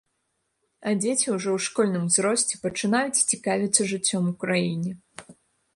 А дзеці ўжо ў школьным узросце пачынаюць цікавіцца жыццём у краіне.